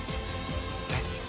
えっ？